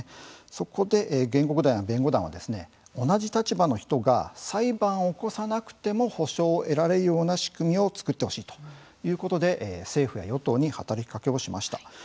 そこで、原告団や弁護団は同じ立場の人が裁判を起こさなくても補償を得られるような仕組みを作ってほしいということで政府や与党に働きかけをしました。